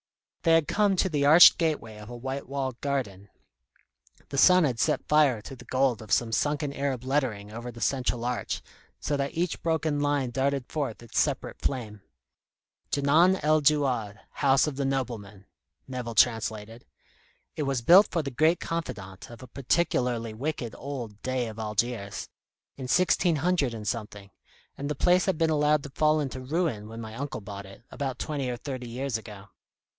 They had come to the arched gateway of a white walled garden. The sun had set fire to the gold of some sunken Arab lettering over the central arch, so that each broken line darted forth its separate flame. "Djenan el Djouad; House of the Nobleman," Nevill translated. "It was built for the great confidant of a particularly wicked old Dey of Algiers, in sixteen hundred and something, and the place had been allowed to fall into ruin when my uncle bought it, about twenty or thirty years ago.